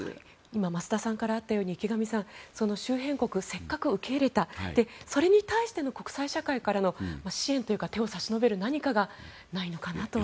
今、増田さんからあったように池上さん、周辺国せっかく受け入れたそれに対しての国際社会からの支援というか手を差し伸べる何かがないといけないのかなと。